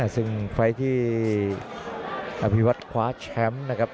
ซึ่งไฟล์ที่อภิวัตคว้าแชมป์นะครับ